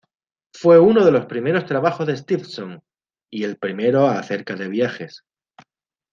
Fue uno de los primeros trabajos de Stevenson y el primero acerca de viajes.